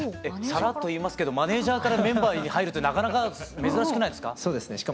さらっと言いますけどマネージャーからメンバーに入るってなかなか珍しくないですか？